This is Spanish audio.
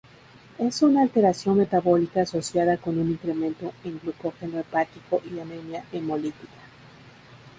Es una alteración metabólica asociada con un incremento en glucógeno hepático y anemia hemolítica.